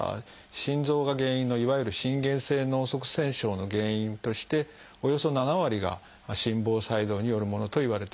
心臓が原因のいわゆる心原性脳塞栓症の原因としておよそ７割が心房細動によるものといわれています。